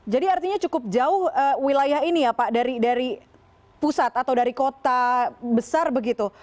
jadi artinya cukup jauh wilayah ini ya pak dari pusat atau dari kota besar begitu